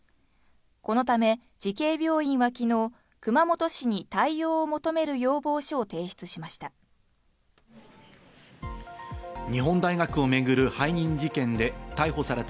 このため慈恵病院は昨日、熊本市に対応を求める要望書を提出しました。